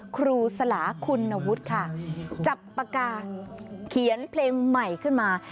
ครูสลาคุณวุฒิค่ะจับปากกาเขียนเพลงใหม่ขึ้นมา